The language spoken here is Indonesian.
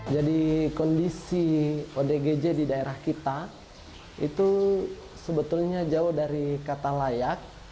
jadi kondisi odgj di daerah kita itu sebetulnya jauh dari kata layak